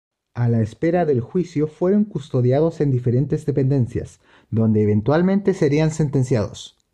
A la espera del juicio, fueron custodiados en diferentes dependencias donde eventualmente serían sentenciados.